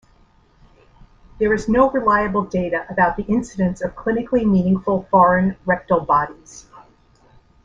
There is no reliable data about the incidence of clinically meaningful foreign rectal bodies.